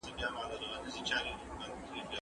ته ولي ونې ته اوبه ورکوې،